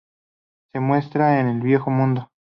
Se encuentra en el Viejo Mundo.